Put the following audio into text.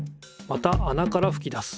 またあなからふき出す。